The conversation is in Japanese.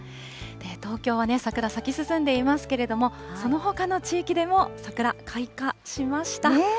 東京は桜、咲き進んでいますけれども、そのほかの地域でも桜、開花しました。